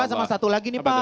sama satu lagi nih pak